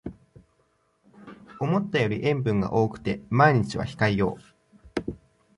思ったより塩分が多くて毎日は控えよう